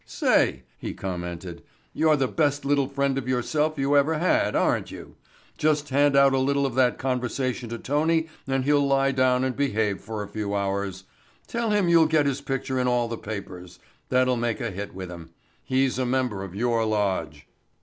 "Say," he commented, "you're the best little friend of yourself you ever had, aren't you? Just hand out a little of that conversation to Tony and he'll lie down and behave for a few hours. Tell him you'll get his picture in all the papers. That'll make a hit with him. He's a member of your lodge."